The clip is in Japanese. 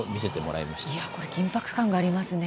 いやこれ緊迫感がありますね。